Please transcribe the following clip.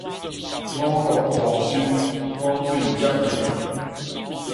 五穀豐收，雨水接應